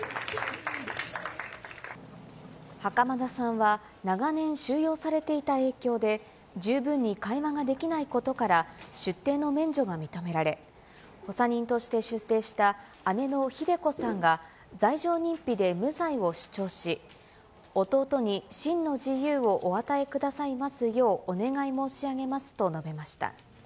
袴田さんは、長年、収容されていた影響で、十分に会話ができないことから、出廷の免除が認められ、補佐人として、出廷した姉のひで子さんが、罪状認否で無罪を主張し、弟に真の自由をお与えくださいますようお願い申し上げますと、述べました。